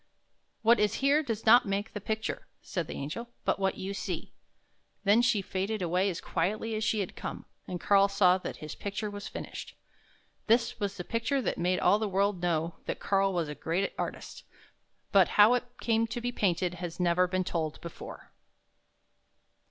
" What is here does not make the picture," said the Angel, " but what you see." Then she faded away as quietly as she had come, and Karl saw that his picture was finished. This was the picture that made all the world know that Karl was a great artist; but how it came to be painted has never been told before.